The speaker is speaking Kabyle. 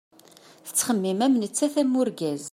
Tettxemmim am nettat am urgaz.